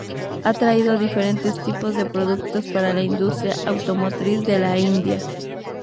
Ha traído diferentes tipos de productos para la industria automotriz de la India.